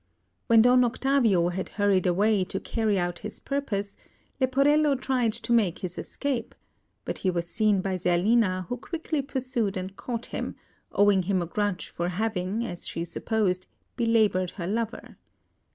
When Don Octavio had hurried away to carry out this purpose, Leporello tried to make his escape; but he was seen by Zerlina, who quickly pursued and caught him, owing him a grudge for having, as she supposed, belaboured her lover.